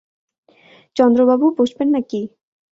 চন্দ্রবাবু, বসবেন না কি?